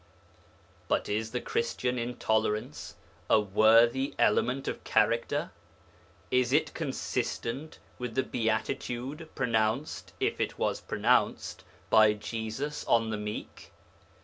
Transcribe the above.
But is the Christian intolerance a worthy element of character? Is it consistent with the Beatitude pronounced (if it was pronounced) by Jesus on the meek?